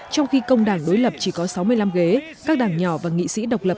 trong khi công đảng đối lập chỉ có sáu mươi năm ghế